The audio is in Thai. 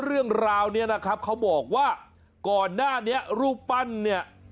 เรื่องราวนี้นะครับเขาบอกว่าก่อนหน้านี้รูปปั้นเนี่ย